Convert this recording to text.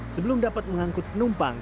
sebelum dapat mengangkut penumpang